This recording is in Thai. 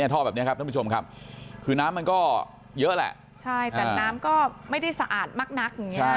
ท่อแบบนี้ครับคือน้ำมันก็เยอะแหละใช่แต่น้ำก็ไม่ได้สะอาดมากอย่างนี้